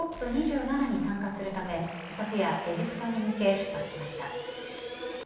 ＣＯＰ２７に参加するため昨夜エジプトに向け出発しました。